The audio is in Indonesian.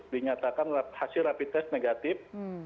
dinyatakan hasil rapid test negatif